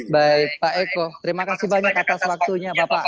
baik pak eko terima kasih banyak atas waktunya bapak